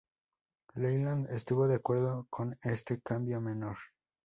Leyland estuvo de acuerdo con este cambio menor.